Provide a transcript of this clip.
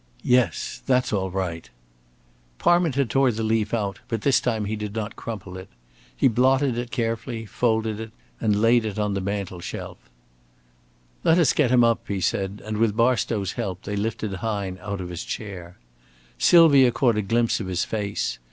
"Yes, that's all right." Parminter tore the leaf out, but this time he did not crumple it. He blotted it carefully, folded it, and laid it on the mantle shelf. "Let us get him up," he said, and with Barstow's help they lifted Hine out of his chair. Sylvia caught a glimpse of his face.